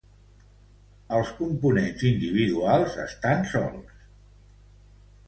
Els components individuals estan solts.